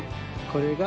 これが。